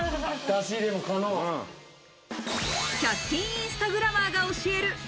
１００均インスタグラマーが教える